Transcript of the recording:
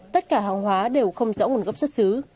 tất cả hàng hóa đều không rõ nguồn gốc xuất xứ